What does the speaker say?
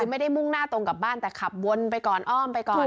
ไม่ได้มุ่งหน้าตรงกลับบ้านแต่ขับวนไปก่อนอ้อมไปก่อน